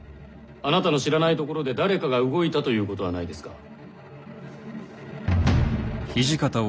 あなたの知らないところで誰かが動いたということはないですか。